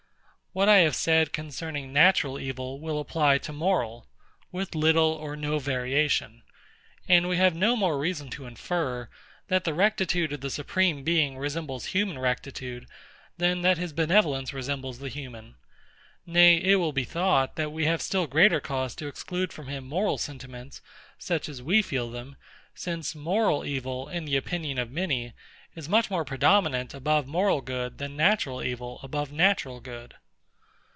What I have said concerning natural evil will apply to moral, with little or no variation; and we have no more reason to infer, that the rectitude of the Supreme Being resembles human rectitude, than that his benevolence resembles the human. Nay, it will be thought, that we have still greater cause to exclude from him moral sentiments, such as we feel them; since moral evil, in the opinion of many, is much more predominant above moral good than natural evil above natural good.